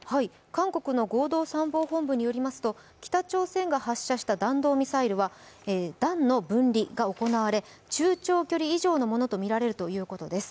韓国の合同参謀本部によりますと、北朝鮮が発射した弾道ミサイルはと段の分離が行われて、中長距離以上のものとみられるということです。